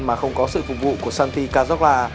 mà không có sự phục vụ của santi cazorla